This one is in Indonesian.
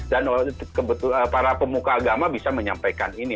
dan para pemuka agama bisa menyampaikan ini